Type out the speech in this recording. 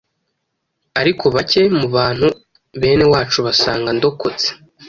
Ariko bake mubantu-benewacu basanga ndokotse